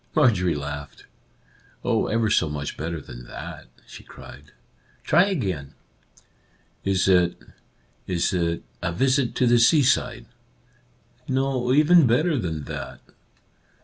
Marjorie laughed. " Oh, ever so much better than that," she cried. " Try again." " Is it — is it — a visit to the seaside ?"" No ; even better than that."